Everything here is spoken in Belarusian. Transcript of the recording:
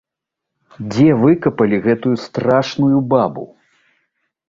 Дзе выкапалі гэтую страшную бабу?